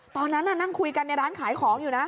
ตอนนั้นนั่งคุยกันในร้านขายของอยู่นะ